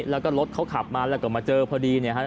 แล้วก็รถเขาขับมาแล้วก็มาเจอพอดี